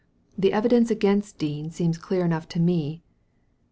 The evidence against Dean seems clear enough to me."